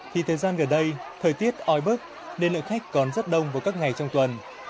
thì thời gian gần đây thời tiết oi bức nên lượng khách còn rất đông vào các ngày trong tuần